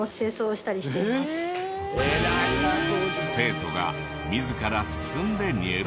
生徒が自ら進んで入部。